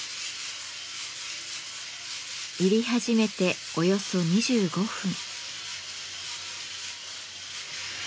煎り始めておよそ２５分。